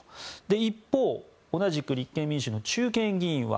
一方、同じく立憲民主の中堅議員は